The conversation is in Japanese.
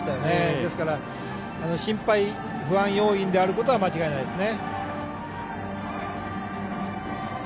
ですから不安要因であることは間違いないですね。